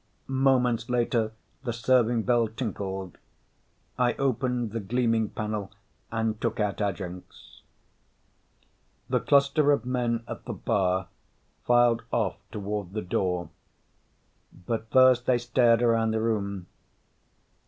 Moments later, the serving bell tinkled. I opened the gleaming panel and took out our drinks. The cluster of men at the bar filed off toward the door, but first they stared around the room.